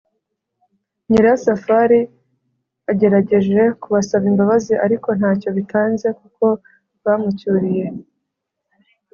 nyirasafari agerageje kubasaba imbabazi ariko ntacyo bitanze kuko bamucyuriye